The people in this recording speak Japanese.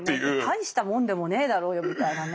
大したもんでもねえだろうよみたいなね。